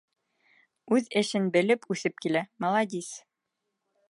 Үҙ эшен белеп үҫеп килә, маладис.